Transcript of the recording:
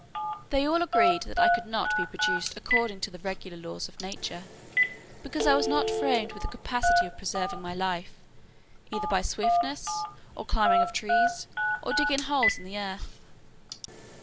They all agreed that I could not be produced according to the regular laws of nature, because I was not framed with a capacity of preserving my life, either by swiftness, or climbing of trees, or digging holes in the earth.